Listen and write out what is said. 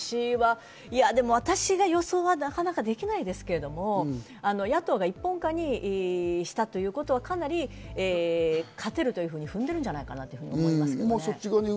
私は予想がなかなかできませんが、野党が一本化にしたということは、かなり勝てると踏んでいるんじゃないかなと思いますけどね。